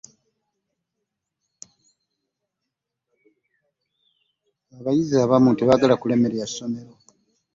Abayizi abamu tebaagala kulya mmere yessomero.